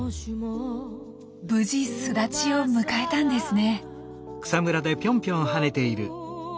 無事巣立ちを迎えたんですね。